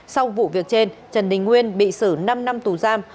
sau vụ việc trên trần đình nguyên bị xử năm năm tù giam